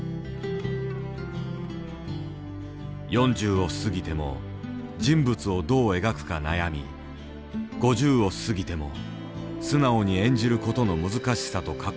４０を過ぎても人物をどう描くか悩み５０を過ぎても素直に演じることの難しさと格闘し続けた。